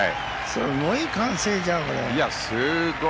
すごい歓声じゃん。